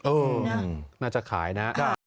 น่าจะขายนะ